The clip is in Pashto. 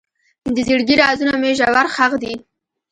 د زړګي رازونه مې ژور ښخ دي.